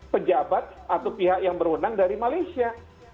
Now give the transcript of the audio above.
pejabat atau pihak yang berwenang dari malaysia